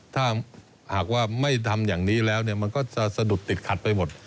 ถ้าหากว่าไม่ทำอย่างนี้แล้วเนี่ยมันก็จะสะดุดติดขัดไปหมด